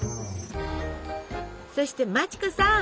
そして町子さん！